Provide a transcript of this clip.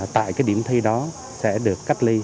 tại cái điểm thi đó sẽ được cách ly xử lý theo quy định